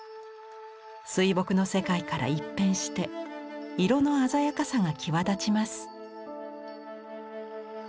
水墨の世界から一変して色の鮮やかさが際立ちます。